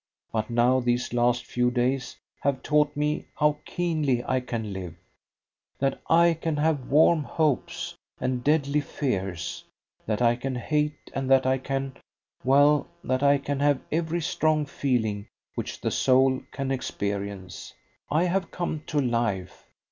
But now these last few days have taught me how keenly I can live that I can have warm hopes, and deadly fears that I can hate, and that I can well, that I can have every strong feeling which the soul can experience. I have come to life.